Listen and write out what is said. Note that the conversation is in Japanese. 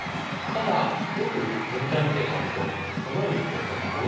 ただよく全体を見て頂くとこのように打つと安田さんどうですか？